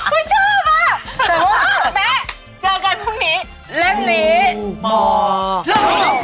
โปรดติดตามตอนต่อไป